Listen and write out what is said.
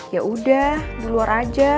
yaudah di luar aja